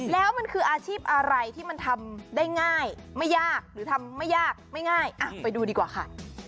แล้วมันคืออาชีพอะไรที่มันทำได้ง่ายไม่ยากหรือทำไม่ยากไม่ง่ายไปดูดีกว่าค่ะ